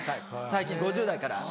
最近５０代から。